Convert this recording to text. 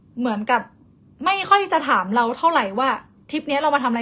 เหมือนกับไม่ค่อยจะถามเราเท่าไหร่ว่าทริปนี้เรามาทำอะไร